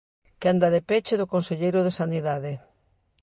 Quenda de peche do conselleiro de Sanidade.